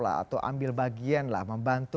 atau ambil bagian membantu